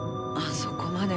そこまでは。